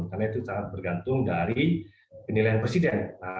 karena itu sangat bergantung dari penilaian presiden